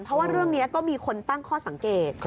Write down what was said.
เพราะว่าเรื่องนี้ก็มีคนตั้งข้อสังเกต